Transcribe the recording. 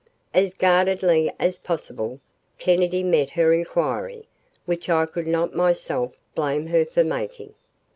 As guardedly as possible, Kennedy met her inquiry, which I could not myself blame her for making.